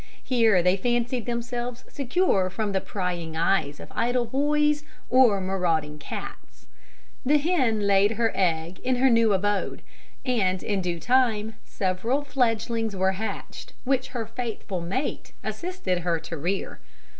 Here they fancied themselves secure from the prying eyes of idle boys or marauding cats. The hen laid her eggs in her new abode, and in due time several fledgelings were hatched, which her faithful mate assisted her to rear.